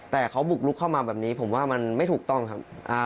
แต่เขาบุกลุกเข้ามาแบบนี้ผมว่ามันไม่ถูกต้องครับ